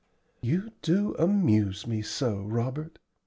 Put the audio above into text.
"You do amuse me so, Robert!